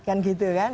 kan gitu kan